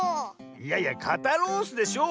いやいや「かたロース」でしょ